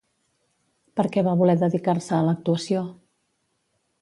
Per què va voler dedicar-se a l'actuació?